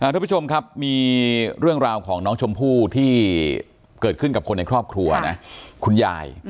ทุกผู้ชมครับมีเรื่องราวของน้องชมพู่ที่เกิดขึ้นกับคนในครอบครัวนะคุณยาย